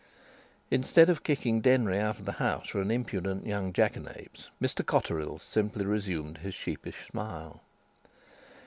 Instead of kicking Denry out of the house for an impudent young jackanapes, Mr Cotterill simply resumed his sheepish smile.